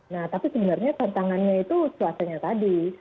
nah tapi sebenarnya tantangannya itu cuacanya tadi